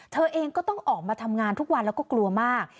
เธอเองก็ต้องออกมาทำงานทุกวันแล้วก็กลัวมาก